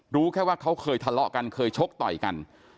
รู้แค่ว่าเขาเคยทะเลาะกันเคยชกต่อยกัน